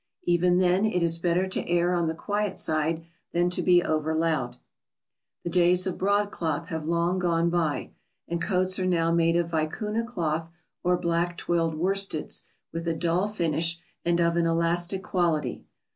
Even then it is better to err on the quiet side than to be over loud. [Sidenote: Black coats.] The days of broadcloth have long gone by, and coats are now made of vicuna cloth or black twilled worsteds, with a dull finish and of an elastic quality.